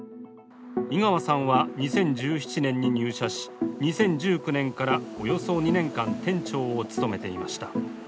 井川さんは２０１７年に入社し２０１９年からおよそ２年間店長を務めていました。